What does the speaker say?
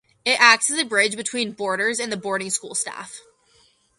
It acts as a bridge between boarders and the boarding school staff.